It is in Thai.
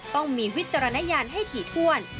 ต้องมีวิจารณญาณให้ถี่ถ้วน